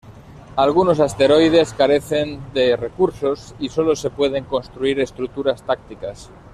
Algunos asteroides carecen de recursos y solo se pueden construir estructuras tácticas.